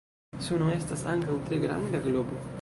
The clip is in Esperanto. Suno estas ankaŭ tre granda globo.